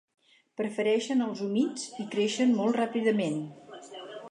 Prefereixen els humits, i creixen molt ràpidament.